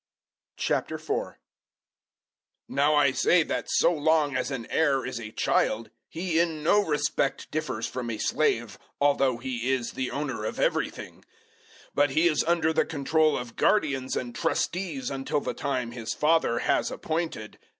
004:001 Now I say that so long as an heir is a child, he in no respect differs from a slave, although he is the owner of everything, 004:002 but he is under the control of guardians and trustees until the time his father has appointed.